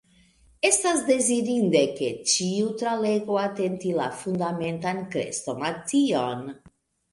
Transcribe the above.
Estas dezirinde, ke ĉiu, tralegu atente la Fundamentan Krestomation.